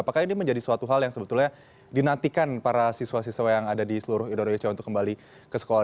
apakah ini menjadi suatu hal yang sebetulnya dinantikan para siswa siswa yang ada di seluruh indonesia untuk kembali ke sekolah